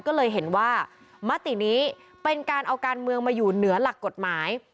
ก็เลยเห็นว่ามตินี้เป็นการเอาการเมืองมาอยู่เหนือหลักกฎหมาย